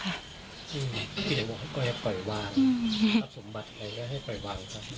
จริงไหมที่จะบอกให้ปล่อยวางอืมสมบัติอะไรก็ให้ปล่อยวางกัน